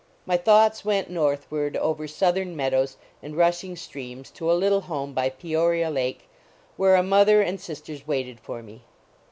My thoughts went northward over southern meadows and rushing streams to a little home by Peoria lake, where a mother and sisters waited for me.